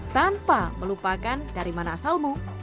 tanpa melupakan dari mana asalmu